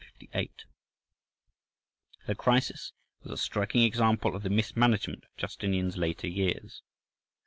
This crisis was a striking example of the mismanagement of Justinian's later years.